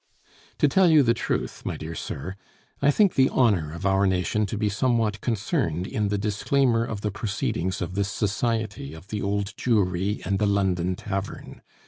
To tell you the truth, my dear sir, I think the honor of our nation to be somewhat concerned in the disclaimer of the proceedings of this society of the Old Jewry and the London Tavern.